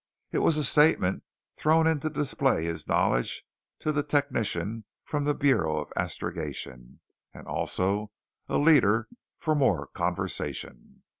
It was a statement thrown in to display his knowledge to the technician from the Bureau of Astrogation, and also a leader for more conversation.